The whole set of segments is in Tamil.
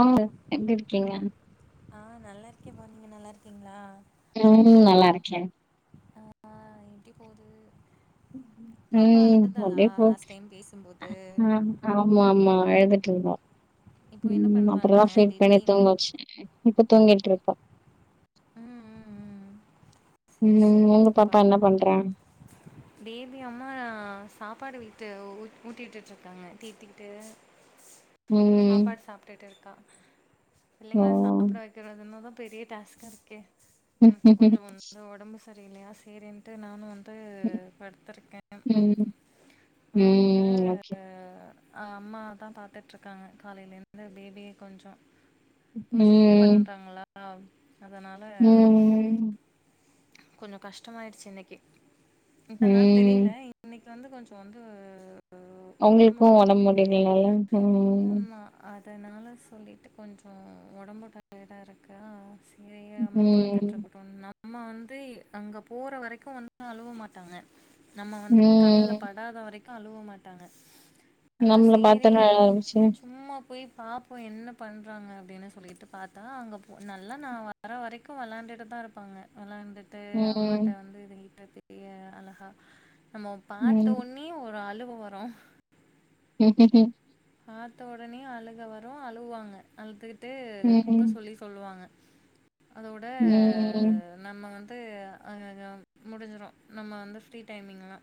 ஆ எப்டி இருக்கீங்க ஆ நல்லா இருக்கேன்பா நீங்க நல்லா இருக்கீங்ளா ம் நல்லா இருக்கேன் ஆ எப்டி போது பாப்பா ம் அழுதாலா அப்டியே போது லாஸ்ட் டைம் பேசும்போது ஆ ஆமா ஆமா அழுதுட்டு இருந்தா இப்போ என்ன ம் அப்புறம் தா பண்றாங்க ஃபீட் பண்ணி பேபி? தூங்க வச்சேன் இப்ப தூங்கிட்ருக்கா ம் ம் ம்ம் ம் உங்க பாப்பா என்ன பண்றா [unintelligible] பேபி அம்மா சாப்பாடு வீட்டு ஊட்டி ஊட்டி விட்டுட்டு இருங்காங்க பேத்திக்கு ம் சாப்பாடு சாப்ட்டுட்டு இருக்கா ஓ பிள்ளைங்களை சாப்பிட வைக்கிறதுன்னதா பெரிய டாஸ்கா இருக்கே ம் எனக்கு கொஞ்சோ ஒரு ஒடம்பு சரியில்லையா சரின்ட்டு நானு வந்து படுத்துருக்கே ம் அதோட ஓகே ஆ அம்மா தா பாத்துட்டுருக்காங்க காலையிலேருந்து பேபியே கொஞ்சம் ரொம்ப சேட்ட ம் பண்றாங்களா அதனால ம் கொஞ்சம் கஷ்டமாயிடுச்சு இன்னைக்கு இத்தன நாள் தெரியல ம் இன்னைக்கு வந்து கொஞ்சோ இப்போ வந்து அவங்களுக்கு உடம்பு ஒடம்பு முடியலால ஆமா அதனால சொல்லிட்டு கொஞ்சோ ஒடம்பு டயடா இருக்கா பிள்ளைய அம்மா ம் பாத்துட்ருக்குட்டு நா நம்ம வந்து அங்க போற வரைக்கு வந்து அழுவ மாட்டாங்க நம்ம வந்து கண்ணுல ப ம் படாத வரைக்கு அழுவ மாட்டாங்க நம்ம நம்மள சேரி பாத்தோனே அழ ஆரம்பிச்சு சும்மா போய் பாப்போ என்ன பண்றாங்க அப்டின்னு சொல்லிட்டு பாத்தா அங்க போ நல்லா நா வர வரைக்கு வெளாண்டுட்டுதா இருப்பாங்க வெளாண்டு ட்டு ம் அம்மாட்ட வந்து இதுட்ட பெரிய அழகா நம்ம பாட்டு ஒண் ணியு ஒரு அழுவு வரு ம் [unintelligible] பாத்த உடனே அழுக வரு அழுவாங்க அழுதுட்டு தூக்க ம். சொல்லி சொல்லுவாங்க அதோட ம். நம்ம வந்து அ முடிஞ்சிடு நம்ம வந்து ஃப்ரிடைமிங்லா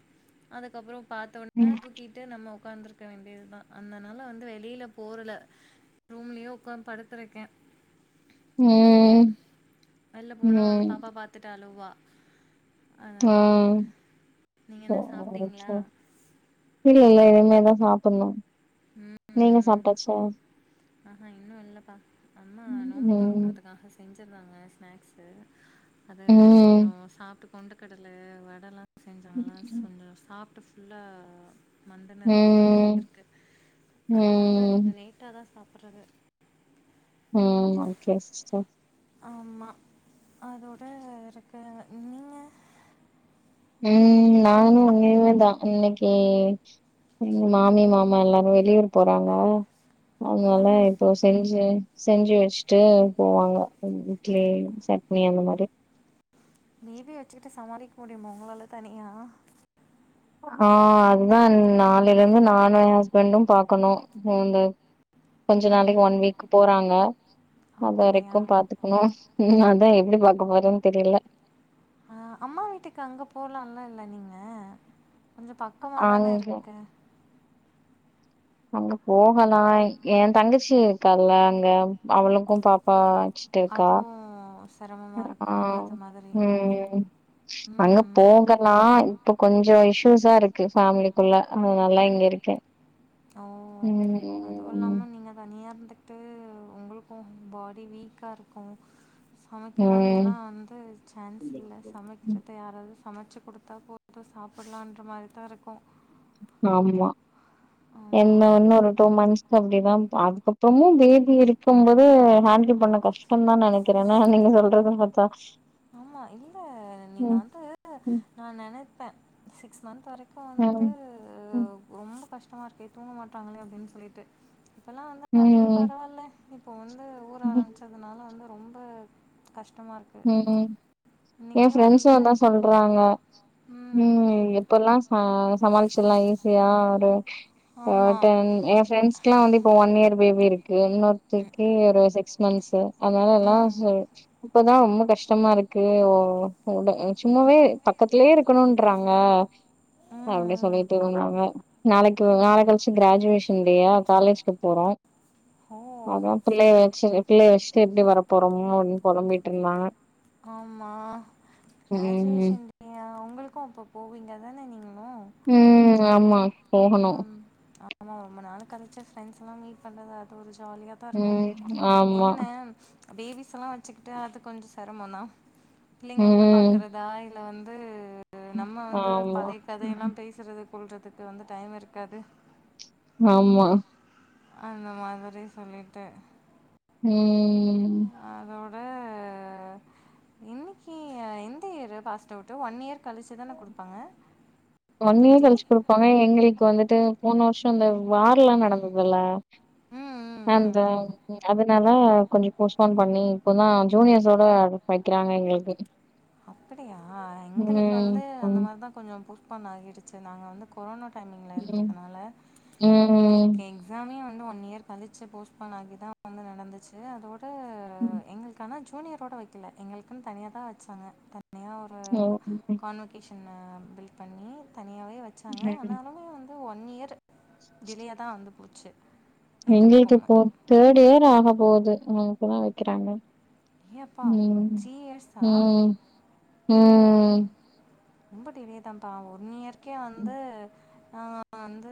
அதுக்கப்றோ பாத்த உனே ம். தூக்கிட்டு நம்ம உக்காந்துருக்க வேண்டியதுதா அந்தனால வந்து வெளியில போல ரூம்லயே உக்காந்து படுத்தருக்கே இங்க ம். வெள்ல போனா வந்து ம், பாப்பா பாத்துட்டு அழுவா அதனால் ம் நீங்கள் ஓ என்ன ஓ ஒ சாப்பிட்டீங்களா இல்ல இல்ல இனிமேதா சாப்பணு நீங்க ம் சாப்டாச்சா ஆஹா இன்னு இல்லப்பா அம்மா நோம்பு ம். தொறக்கதுக்காக ஸ் செஞ்சிருந்தாங்க ஸ்னாக்ஸு அது கொஞ்சோ ம். சாப்ட்டு கொண்ட கடல வடலா ம். செஞ்சாங்ளா கொஞ்சோ சாப்ட்டு ஃபுல்லா மந்தன இருக்க மாதிரி ம். இருக்கு அதனால ம். கொஞ்சோ லேட்டதா சாப்பறது ம் ஓகே சிஸ்டர் ஆம்மா அதோட ருக்க நீங்க ம் நானு வீட்டில் நிவேதா இன்னைக் ஏ எங்க மாமி மாமா எல்லாரு வெளியூர் போறாங்க அதனால ம் இப்போ செஞ்சி செஞ்சு வச்ட்டு போவாங்க இட்லி சட்னி அந்த மாறி பேபி வச்சுக்கிட்டு சமாளிக்க முடியுமா உங்களால தனியா ஆ அதுதா நாளைல இருந்து நானு எ ஹஸ்பண்டு பாக்கணு கொழந்த கொஞ்ச நாளைக்கு ஒன் வீக்கு போறாங்க அது அப்படியா வரைக்கு பாத்து க்கணு ம் அதா எப்டி பாக்க போறேன்னு தெரியல ஆ அம்மா வீட்டுக்கு அங்க போலால இல்ல நீங்க கொஞ்சோ பக் க்கமா தான அங்க இருக்கு அங்க போகலா எ தங்கச்சி இருக்கால்ல அங்க அவளுக்கு பாப்பா ஆச்சு அதுவு சிரமமா இருக்கு அது மாதிரி ம் அங்க ம், ம். போகலா இப்ப கொஞ்சோ இஷ்யூஸா இருக்கு ஃபேமிலிக்குள்ள அதுனால இங்க இருக்க ஆ அதுவு இல்லாம நீங்க தனியா இருந்துட்டு உங்ளுக்கு பாடி வீக்காருக்கு ம் சமைக்கிறதுல்லா வந்து சான்ஸ் இல்ல சமச்சிட்டு யாராது சமச்சி குடுத்தா போட்டு சாப்பட்லான்ற மாரிதா இருக்கு ஆமா ஆமா. என்ன இன்னு ஒரு டூ மந்த்ஸ் அப்டிதா அதுக்கப்புறமு பேபி இருக்குபோது ஹேண்டில் பண்ண கஷ்டந்தா நெனக் கிறனா நீங்க சொல்றத பாத்தா ஆமா இல்ல நீங்க ம் வந்து ம் நா நெனப்ப சிக்ஸ் மந்த் வரைக் இப்ப வந்து ம் ரொம்ப கஷ்டமா இருக்கே தூங்க மாட்டாங்களே அப்டின் சொல்ட்டு இப்பல்லா வந்து அதுவே ம் பரவால்ல இப்போ வந்து ஊற ம் ஆரமிச்ச அதனால வந்து ரொம்ப கஷ்டமாருக்கு ம் எ ஃப்ரெண்ட்ஸு அதா சொல் றாங்க ம் எப்பல்லா ச சமாளிச்சில்லா ஈஸியா ஒரு ஆமா. காட்டன் ஏ ஃப்ரெண்ஸ்கலா வந்து இப்போ ஒன் இயர் பேபி இருக்கு இன்னொருத்திக்கி ஒரு சிக்ஸ் மந்ஸு அதனால எல்லா ம். சொ இப்பதா ரொம்ப கஷ்டமா இருக்கு ஒ ட சும்மாவே பக்கத்திலே இருக்கணுன்றாங்க ம். அப்டி ம். சொல்லிட்டு வந்தாங்க நாளைக்கு நாளை கழிச்சு கிராஜுவேஷன்ல்லயா காலேஜ்ஜிக்கு போறோ ஓ! அதா பிள்ளைய வச்சி பிள்ளைய வச்சிட்டு எப்டி வர போறோன் அப்டின் பொலம்பிட்டிருந்தாங்க ஆமா கிராஜிவேஷன் அ வுங்ளுக்கு அப்போ போவீங்கதானே நீங்களு ம் ஆமா போகணு ஆம் ஆமா ரொம்ப நாள் கழிச்சி ஃரெண்ட்ஸல்லா மீட் பண்றது அது ஒரு ஜாலியா ப்பா இருக்கு ம் ஆமா என்ன பேபிஸ்ல்லா வச்சிக்கிட்டு அது கொஞ்ச செரமந்தா பிள்ளைங்கல ம் பாக்கறது தா இல்ல வந்து நம்ம வந்து ஆமா பழைய கதையெல்லா பேஸ் றதுக்கொள்றதுக் வந்து டைம் இருக்காது ஆம்மா அந்த மாதிரி சொல்லிட்டு ம் அதோட இன் இன்னகி எந்த இயர் பாஸ்ட்அவுட்டு ஒன் இயர் கழிச்சிதான குடுப்பாங்க ஒன் இயர் கழிச்சி குடுப்பாங்க எங்களுக்கு வந்துட்டு மூனு வருஷொ இந்த வார்லா நடந்ததில்ல ம் ம் அந்த ம் அத அதனால கொஞ்சொ போஸ்பான் பண்ணி இப்பதா ஜூனியர்ஸோட வக்கிறாங்க எங்ளுக்கு அப்டியா எங்களுக்கு வந்து அந்த ம் மாரிதா கொஞ்சொ போஸ்பான் ஆகிடிச்சி நாங்க வந்து கொரோனா டைமிங்ல ம் இருந்ததுனால ம். எங்களுக்கே எல்லாமே வந்து ஒன் இயர் கழிச்ச போஸ்ட்பன் ஆகி தா வந்து நடந்துச்சி த அதோட ம். எங்ளுக் ஆனா ஜூனியரோட வக்கல எங்ளுக்குன் தனியா தா வச்சாங்க தனியா ஆ ஓ! கான்வகேஷன் பில் பண்ணி தனியாவே வச்சாங்க ம். ஆனாலுமே வந் அது ஒன் இயர் டிலேயா தா வந்து போச்சு எங்களுக்கு எங்களுக்குமே. இப்போ தேட் இயர் ஆக போது நாங் இப்பதா வக்கிறாங்க ஏ அப்பா த்ரீ இயர்ஸா ம். ஓ ம். ரொம்ப டிலேதாப்பா ஒன் இயர்க்கே ம். வந்து ஆ நா வந்து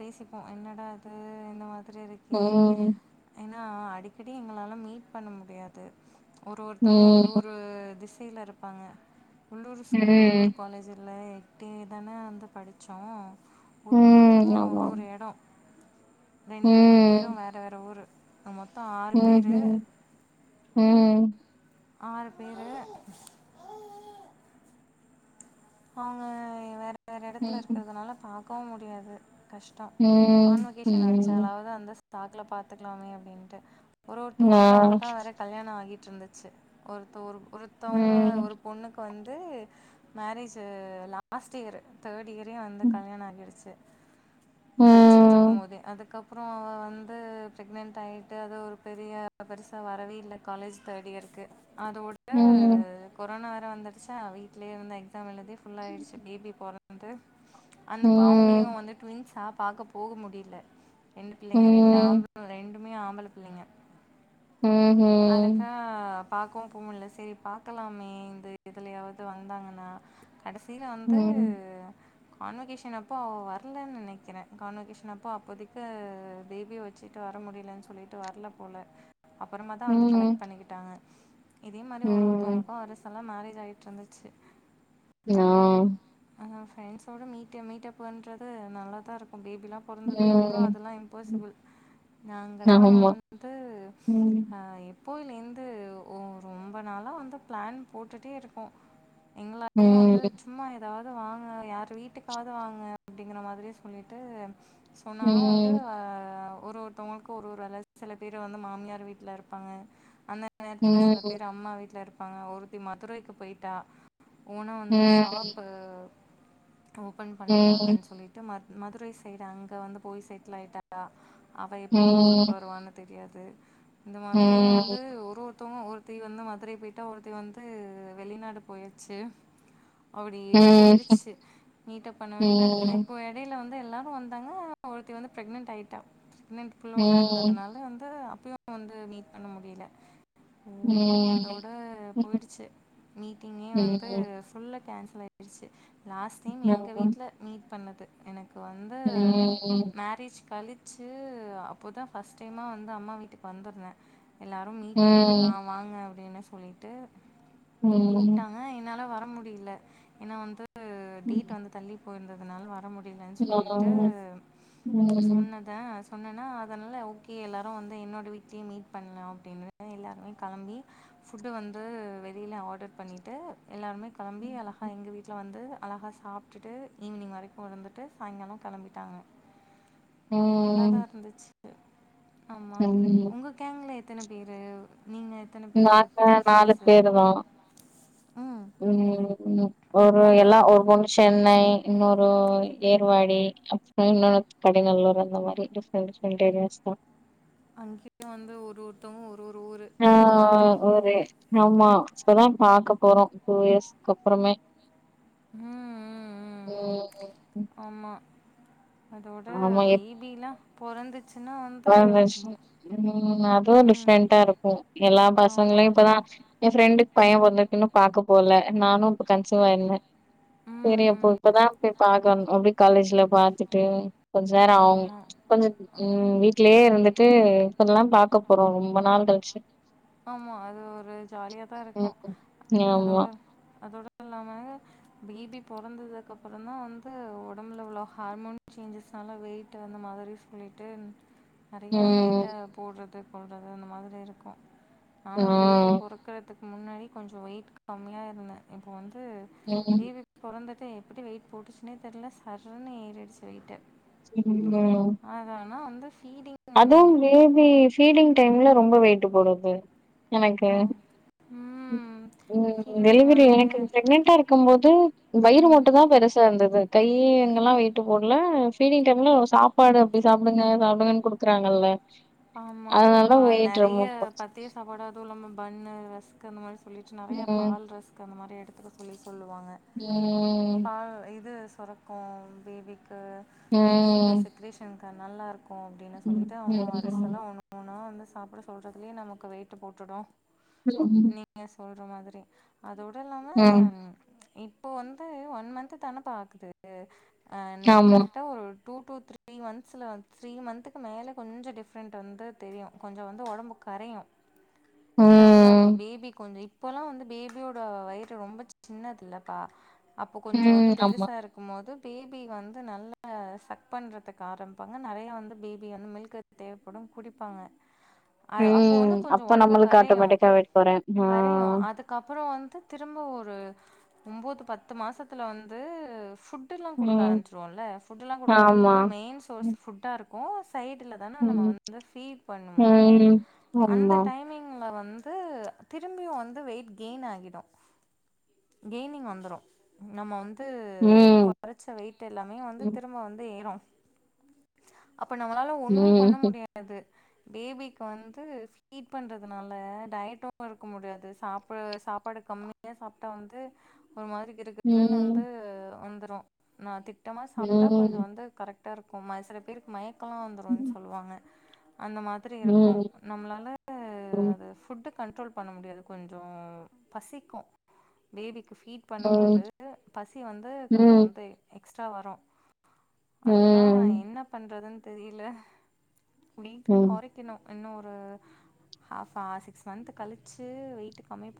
பேசிப்போ என்னடா அது இந்த மாரி இருக்கே ம். ஏனா அடிக்கடி எங்களால மீட் பண்ண முடியாது ஒரு ஒருத்தவங்க ஒரு ஒரு திசைல இருப்பாங்க உள்ளூர் ஸ்கூல் உள்ளூர் ம். காலேஜில் எட்டே தானே வந்து படிச்சோ ஒரு ஒருத்தவங்க ம். ஒரு ஆமா. ஒரு எடொ ரெண்டு ரெண்டு பேரூ ம். வேற வேற ஊரூ நா மொத்தொ ஆ ம் ம் ம் ஆறு பேரு அவுங்க வேற வேற எடத்துல ம். இருகறதுனால பாக்கவு முடியாது கஷ்ட ம். கான்வகேஷனா ம். வச்சாலாது அந்த சாக்குல பாத்துக்லாமே அப்டின்னுட்டு ஒரு ஆ. ஒருத்தவங்ளுக்கு அப்பதா வர கல்யாண ஆகிட்டு இருந்துச்சு ஒருத்த ஒரு ஒருத்தவங்க ம். ஒரு பொண்ணுக்கு வந்து மேரேஜு லாஸ்ட் இயரு தேர்ட் இயரே வந்து கல்யாண ஆகிடுச்சு படிச்சுட்டு இருக்கு ம். போதே அது அதுக்கப்பறொ அவ வந்து ப்ரெக்னன்ட் ஆயிட்டு அது ஒரு பெரிய பெருசா வரவே இல்ல காலேஜ் தேர்ட் இயர்க்கு அதோட ம். கொரோனா வரை வந்துருச்சு வீட்லயே வந்து எக்ஸா எழுதிபுல்லா ஆயிடுச்சு பேபி போற வந்து அவங்களையு ம். வந்து ட்வின்ஸா பாக்க போக முடியல ரெண்டு ம். பிள்ளைங்க ரெண்டு ம். ஆம்பள ரெண்டுமே ஆம்பளை பிள்ளைங்க ம்ஹ்ம். அழகா பாக்கவும் போகமும்ல சேரி பாக்கலாமே இந்த இதுலயாவது வந்தாங்கன்னா கடைசியில வந்து ம். கான்வகேஷ அப்போ அவ வரலன்னு நெனைக்கிறே கான்வகேஷ அப்போ அப்போதேக்கு பேபிய வச் சீக்கர வர முடியலன்னு சொல்லிட்டு வரல போல அப்புறமா தா வந்து கலெக்ட் ம். பண்ணிக்கிட்டாங்க இதே மாரி ஒரு ம். ஒருத்தவங்களுக்கு ஒரு வருசல மேரேஜ் ஆகிட்டு இருந்துச்சு ஆ. ஆமாம் ஃப்ரெண்ட்ஸோடு மீட்ட மீட்ட பண்ணுறது நல்லா தா இருக்கு பேபிலா பிறந்ததுக்க அப்பறோ ம் அதெல்லா இம்பாசிபிள் நாங்கலா ஆமா வந்து ம் அ போய்லேந்து ரொம்ப நாளா வந்து பிளான் போட்டுட்டே இருக்கோ எங்களாள நாங்கள வந்து ம் சும்மா ஏதாவது வாங்க யார் வீட்டுக்காவது வாங்க அப்படிங்கற மாரியே சொல்லிட்டு சொன்னாலு வந்து ம் ஒரு ஓரு ஓருதர்க்கும் ஒரு ஒரு வேல செல பேர் வந்து மாமியார் வீட்ல இருப்பாங்க அந்த அந்த ம் நேரத்துல ம் சில பேர் அம்மா வீட்டுல இருப்பாங்க ஒருத்தி மதுரைக்கு போயிட்டா ஓனா வந்து ம் ஷாப்பு ஓப்பன் ம் பண்ற்றாகன்னு சொல்லிட்டு மதுரை சைடு அங்க வந்து போய் செட்டல ஆயிட்டா அவள் எப்போ ஊருக்கு ம் வருவானு தெரியாது இந்த மாரியு ம் வந்து ஒரு ஒருத்தவங்க ஒரு ஒருத்தி வந்து மதுரை போயிட்டா ஒருத்தி வந்து வெளிநாடு போயச்சு அப்டியே ம் போயிடுச்சு நீட்ட பண்ணவே இல்லா இப்போ இடையில வந்து எல்லாரு வந்தாங்க ஒருத்தி வந்து பிரெக்னெட் ஆயிட்டா புல் அன் புல்லா உண்டாந்ததுனால வந்து அப்பயு வந்து மீட் பண்ண முடியல ஓ ம் ம் அதோட போயிடுச்சு மீட்டிங்கே ம் வந்து ஃபுல்ல கேன்சல் ஆயிடுச்சு லாஸ்ட் டைம் ஆமா எங்கள் வீட்டில் மீட் பண்ணது எனக்கு வந்து ம் மேரேஜ் கழிச் கழிச்சு அப்போதா பர்ஸ்ட் டைமா வந்து அம்மா வீட்டுக்கு வந்திருந்தே எல்லாரும் மீட் பண்லா வாங்க அப்டின்னு சொல்லிட்டு ம் ம் கூப்டாங்க என்னால வர முடியில ஏன்னா வந்து டேட் வந்து தள்ளி போயிருந்ததுனால வர முடி அப்டின் வன் சொல்லிட்டு ஆமா ம் ம் சொன்ன நா சொன்னேன்னா அதனால ஓகே எல்லாரு வந்து என்னோட வீட்லயே மீட் பண்லா அப்டின்னு எல்லாருமே கெளம்பி ஃபுட்டு வந்து வெளியில ஆடர் பண்ணிட்டு எல்லாருமே கிளம்பி அழகா எங்க வீட்ல வந்து அழகா சாப் விட்டுட்டு ஈவினிங் வரைக்கு இருந்துட்டு சாய்ங்காலோ கிளம்பிட்டாங்க அது நல்லாதா இருந்துச்சு ஆமா ம் உங்க கேங்ல எத்தன பேரு நீங்க எத்தன பேரு நாங்க திக் நாலு ஃப்ரெண்ட்ஸு பேரு தா ம் ம் உ ஒரு ஒரே எல்லா ஒரு பொண்ணு சென்னை இன்னொரு ஏர்வாடி அப்புறோ இன்னொன்னு கடைநல்லூர் அந்த மாரி ஃடிப் அப்டி சொல்டே இனசா அங்கேயு வந்து ஒரு ஒருத்தவ்ங்க ஒரு ஒரு ஊரு ஆ அந்த மாதிரி ஒரு ஆமா இப்பதா பாக்க போறோ டூ இயர்ஸ்க்கு அப்புறமே ம் ஆமா அதோட ஆமா எப்ப பேபிலா பொறந்து ம் நோ மெஷ்ஷ அதுவு ம் டிஃப்ரெண்டா இருக்கு எல்லா பசங்களையு ஆமாம் இப்பதா எ ஃப்ரெண்டுக்கு பைய பொற்திருக்குன்னு பாக்க போல நானு அப்ப கன்சீவ ஆயிருந்தே செரியப்போ ம் இப்பதா போய் பாக்கண் அப்டி காலேஜ்ல பாத்துட்டு கொஞ்சோ நேரோ ஆவு ஆமாம் கொஞ்ச ம் வீட் ட்லே இருந்துட்டு இப்பட்லா பாக்க போறோ ரொம்ப நாள் கழிச்சு ஆமா அது ஒரு ஜாலியா தா இருக்கோ ம் ஆமா அதோட அதோட இல்லாம பேபி பொறந்ததுக்கப்புறோ தா வந்து ஒடம்புல இவ்ளோ ஹார்மோன் சேஞ்சஸ்ஸால வெயிட்டு அந்த மாதிரி சொல்லிட்டு நெறைய ம் வெயிட்டா போட்றது கொல்றது அந்த மாதிரி இருக்கோ ஆ நானோ பேபி பொறக்கறதுக்கு முன்னாடி கொஞ்சோ வெயிட் கம்மியா இருந்த இப்போ வந்து ம் பேபி பொறந்துட்ட எப்டி வெயிட் போட்டுச்சுன்னே தெர்ல சர்ருன்னு ஏறிடிச்சு வெயிட்டு ம் அதா நா அந்த ஃபீடிங் அதா பேபி ஃபீடிங் டைம்ல ரொம்ப வெயிட்டு போடுது எனக்கு அ ம் ம் ஃபீடிங் டெலிவரி வந்து எனக்கு பிரக்னன்ட்டா இருக்கும் போது வயிறு ம் மட்டு தா பெருசா இருந்தது கை அங்கல்லா வெயிட்டு போடல ஃபீடிங் டைம்ல சாப்பாடு அப்டி சாப்டுங்க சாப்டுங்கன்னு குடு க்றாங்கல்ல ஆமா அப்பா நெறைய போச்சு பத் த்திய சாப்பாடு அதுவு இல்லாம பண்ணு ரஸ்க்கு அந்த மாரி சொல்லிட்டு ம் நறைய பால் ரஸ் க் அந்த மாரி எடுத்துக்க சொல்லி சொல்லுவாங்க ம் பால் இது சொரக் கோ பேபிக்கு மில்க்கு ம் செக்ரேஷனுக்கு அது நல்லாரு க்கு அப்டின்னு சொல்லிட்டு அவுங்க ம் வரிசலா ஒன்னு ஒன்னா வந்து சாப்ட சொல்றதுலேயே நமக்கு வெயிட்டு போட்டுடோ நீங்க சொல்ற மாதிரி அதோட இல்லாம ம் இப்போ வந்து ஒன் மந்த்து தான பா ஆகுது அ நீங்க ஆமா. கரெக்டா ஒர் டூ டூ த்ரீ மந்த்ஸ்ல வந்து த்ரீ மந்த்துக்கு மேல கொஞ்ச டிஃப் ப்ரெண்ட் வந்து தெரியோ கொஞ்சோ வந்து ஒடம்பு கரையோ ஏன்னா வந்து அப்போ ம் பேபி கொஞ்சோ இ ப்போல்லா வந்து பேபியோட வயிறு ரொம்ப சின்னது இல்லப்பா அப்போ கொஞ்சோ ம் வந்து ஆமா. பெருசா இருக் கும் மொதோ பேபி வந்து நல்ல சக் பண்றதுக்கு ஆரம்பிப்பாங்க நெறைய வந்து பேபி வந்து மில்க்கு தேவப்படும் குடிப்பாங்க அ அப்ப ம் வந்து கொஞ்சோ அப்ப ஒடம்பு நம்மளுக்கு கரையு ஆட்டோமேட்டிக்கா வெயிட் கொறையும். ஆ கரையு அதுக் கப்பறோ வந்து திரும்ப ஒரு ஒன்பது பத்து மாசத்துல வந்து ஃபுட் டுல்லா குடுக்க ம் ஆரம்பிச்சுருவோல்ல ஃபுட்டுல்லா குடுக்கும் ஆமா. போது மெயின் சோர்ஸ் ஃபுட்டாருக்கு சைடுல தான நாம ம் வந்து ஃபீட் பண்ணுவோ ம் அந்த ஆமா. டைமிங்ல வந்து திரும்பியு வந்து வெயிட் கெயின் ஆகிடு கெய்னிங் வந்துரு நம்ம வ இது ம் கொறச்ச வெயிட் எல்லாமே வந்து ம் திரும்ப வந்து ஏரு அப்ப நம்மளால ஒண்ணுமே பண்ண ம் முடியாது பேபிக்கு வந்து ஃபீட் பண்றதுனால டயட்டு இருக்க முடியாது சாப்ப சாப்பாடு கம்மியா சாப்ட்டா வந்து ஒரு மாரி கிறுகிறுன்னு வந்து ம் வந்துரு நா திட்டமா ம் சாப்ட்டா கொஞ்சோ ம் வந்து கரெக்ட் டா இருக்கு சில பேருக்கு மயக்கொல்லா வந்துரு சொ அந்த மாத்ரி இருக்கு ம் நம்ளால அது ஃபுட்டு கண்ட்ரோல் பண்ண முடியாது கொஞ்சோ பசிக்கு பேபிக்கு ஃபீட் ம் பண்ணும்போது பசி வந்து கொஞ்சோ ம் வந்து எக்ஸ்ட்ரா வரு அதுதா ம் என்ன பண்றதுன்னு தெரியல வெயிட்டு ம். கொறக் கினோ இன்னோ ஒரு ஹாஃபா சிக்ஸ் மந்த்து கழிச்சு வெயிட் கம்மிப்ப